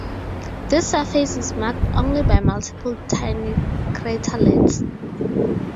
This surface is marked only by multiple tiny craterlets.